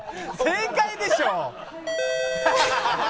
正解でしょ！